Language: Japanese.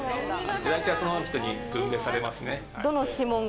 大体その人に分類されますね。